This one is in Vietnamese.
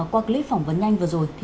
qua clip phỏng vấn nhanh vừa rồi